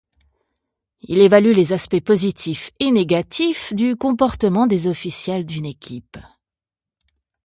Il évalue les aspects positifs et négatifs du comportement des officiels d'une équipe.